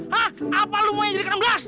hah apa lo mau jadi ke enam belas